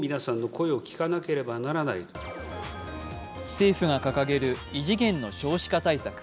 政府が掲げる異次元の少子化対策。